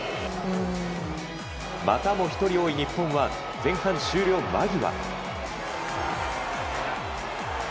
またも１人多い日本は前半終了間際。